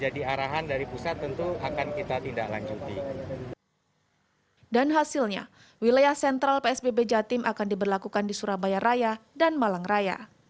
dan hasilnya wilayah sentral psbb jatim akan diberlakukan di surabaya raya dan malang raya